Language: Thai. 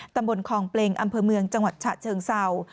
ตำบลคลองเปลงอำเภอเมืองจังหวัดฉะเชิงเศร้า